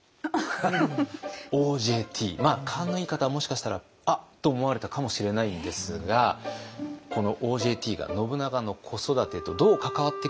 勘のいい方はもしかしたら「あっ！」と思われたかもしれないんですがこの「ＯＪＴ」が信長の子育てとどう関わってくるのか。